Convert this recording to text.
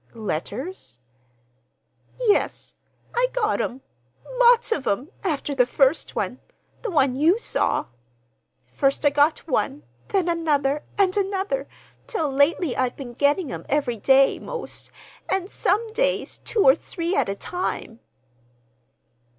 "Letters?" "Yes. I got 'em—lots of 'em—after the first one—the one you saw. First I got one, then another and another, till lately I've been getting 'em every day, 'most, and some days two or three at a time."